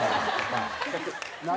「何？